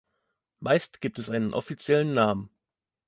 Meist gibt es einen offiziellen Namen.